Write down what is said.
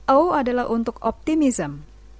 o adalah untuk optimism